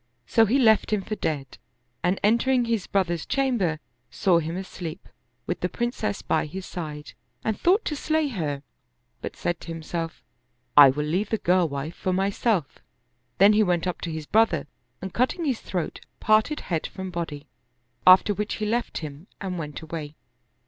So he left him for dead, and entering his brother's chamber, saw him asleep, with the Princess by his side, and thought to slay her, but said to himself, " I will leave the girl wife for myself." Then he went up to his brother and cutting his throat, parted head from body, after which he left him and went away.